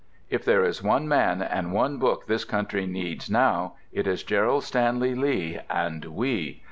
If there is one man and one book this country needs, now, it is Gerald Stanley Lee and "WE."